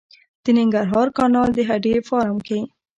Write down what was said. د ننګرهار کانال د هډې فارم کې